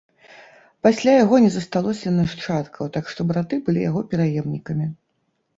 Пасля яго не засталося нашчадкаў, так што браты былі яго пераемнікамі.